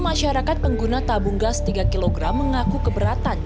masyarakat pengguna tabung gas tiga kg mengaku keberatan